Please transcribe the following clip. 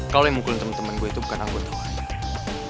kalo yang mukulin temen temen gue itu bukan anggota waria